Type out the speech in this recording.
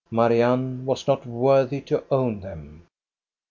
Marianne was not worthy to own them.